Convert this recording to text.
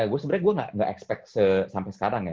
gue sebenernya gue gak expect sampe sekarang ya